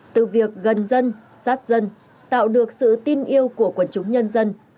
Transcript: từ việc gần dân sát dân tạo được sự tin yêu của quần chúng nhân dân